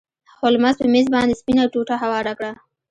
هولمز په میز باندې سپینه ټوټه هواره کړه.